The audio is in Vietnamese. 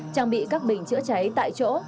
trang bị các bình chữa cháy tại chỗ